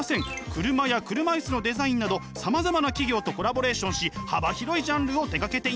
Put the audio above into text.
車や車椅子のデザインなどさまざまな企業とコラボレーションし幅広いジャンルを手がけています。